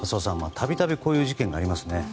度々こういう事件がありますね。